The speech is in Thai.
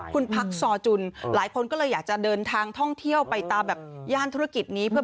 คุณพักซอจุนหลายคนก็เลยอยากจะเดินทางท่องเที่ยวไปตามแบบย่านธุรกิจนี้เพื่อ